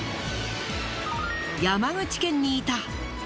山口県にいた！